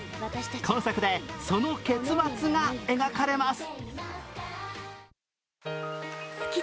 今作でその結末が描かれます。